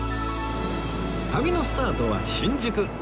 旅のスタートは新宿